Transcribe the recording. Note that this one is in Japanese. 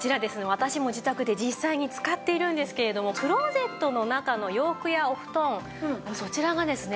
私も自宅で実際に使っているんですけれどもクローゼットの中の洋服やお布団そちらがですね